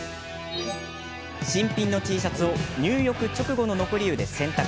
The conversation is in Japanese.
新品のＴシャツを入浴直後の残り湯で洗濯。